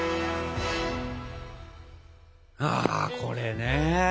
あこれね。